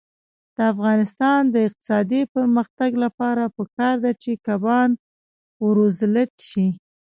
د افغانستان د اقتصادي پرمختګ لپاره پکار ده چې کبان وروزلت شي.